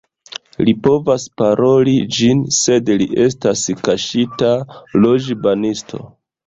Li povas paroli ĝin, sed li estas kaŝita loĵbanisto